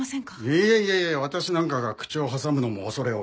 いやいやいやいや私なんかが口を挟むのも恐れ多い。